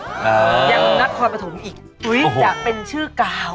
อย่างนักความประถมอีกอยากเป็นชื่อกาว